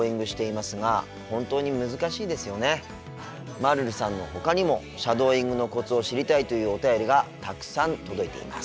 まるるさんのほかにもシャドーイングのコツを知りたいというお便りがたくさん届いています。